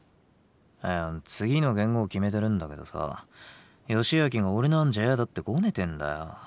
いや次の元号決めてるんだけどさ義昭が俺の案じゃ嫌だってゴネてんだよ。